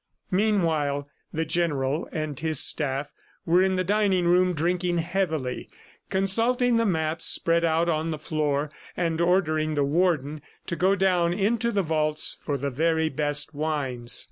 Meanwhile the General and his staff were in the dining room drinking heavily, consulting the maps spread out on the floor, and ordering the Warden to go down into the vaults for the very best wines.